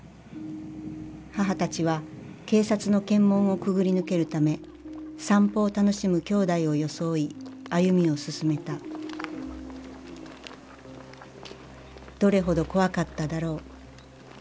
母たちは警察の検問をくぐり抜けるため散歩を楽しむきょうだいを装い歩みを進めたどれほど怖かっただろう。